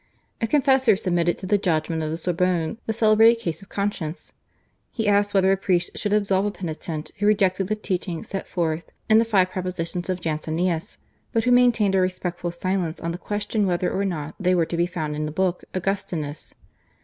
A confessor submitted to the judgment of the Sorbonne the celebrated case of conscience. He asked whether a priest should absolve a penitent, who rejected the teaching set forth in the five propositions of Jansenius, but who maintained a respectful silence on the question whether or not they were to be found in the book /Augustinus